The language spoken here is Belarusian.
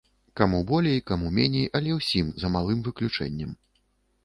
Каму болей, каму меней, але ўсім, за малым выключэннем.